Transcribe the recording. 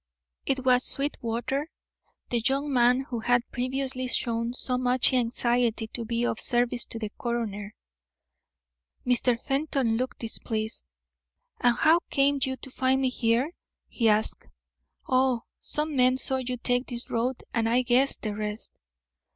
It was Sweetwater, the young man who had previously shown so much anxiety to be of service to the coroner. Mr. Fenton looked displeased. "And how came you to find me here?" he asked. "Oh, some men saw you take this road, and I guessed the rest."